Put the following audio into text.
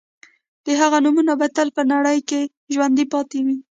د هغوی نومونه به تل په نړۍ کې ژوندي پاتې وي